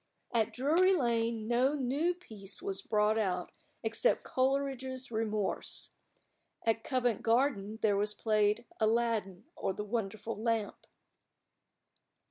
At Drury Lane no new piece was brought out except Coleridge's "Remorse." At Covent Garden there was played "Aladdin, or the Wonderful Lamp."